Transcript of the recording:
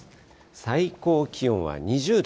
最高気温は２０度。